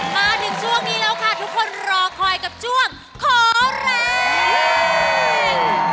มาถึงช่วงนี้แล้วค่ะทุกคนรอคอยกับช่วงขอแรง